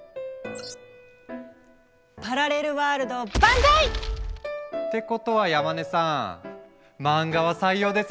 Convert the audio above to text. パラレルワールド万歳！ってことは山根さん漫画は採用ですよね？